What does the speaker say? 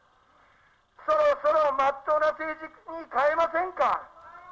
そろそろまっとうな政治に変えませんか。